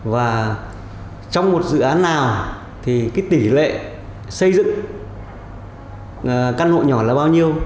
và trong một dự án nào thì cái tỷ lệ xây dựng căn hộ nhỏ là bao nhiêu